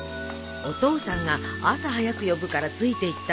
お父さんが朝早く呼ぶからついていったら。